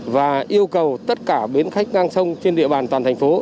và yêu cầu tất cả bến khách ngang sông trên địa bàn toàn thành phố